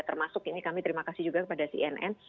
termasuk ini kami terima kasih juga kepada cnn